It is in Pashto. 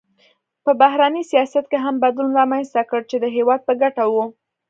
په بهرني سیاست کې هم بدلون رامنځته کړ چې د هېواد په ګټه و.